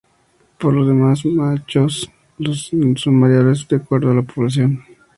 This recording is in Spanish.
Por lo demás, los machos son muy variables de acuerdo a la población.